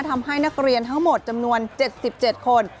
ทำให้นักเรียนทั้งหมดจำนวน๗๗คน